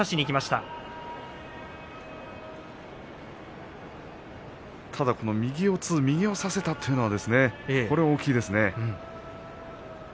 ただこの右四つ右を差せたというのは大きいですね。